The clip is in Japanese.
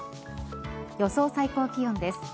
予想最高気温です。